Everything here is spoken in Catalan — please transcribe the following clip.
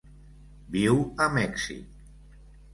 Viu a Mèxic.